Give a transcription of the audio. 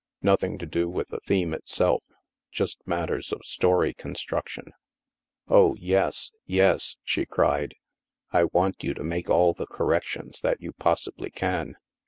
Nothing to do with the theme itself; just matters of story con struction." " Oh, yes, yes," she cried, " I want you to make all the corrections that you possibly can.